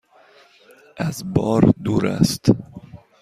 از بار دور است؟